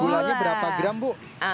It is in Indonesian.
gulanya berapa gram bu